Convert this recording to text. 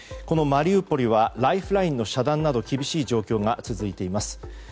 このマリウポリはライフラインの遮断など厳しい状況が続いています。